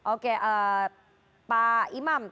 oke pak imam